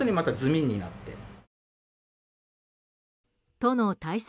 都の対策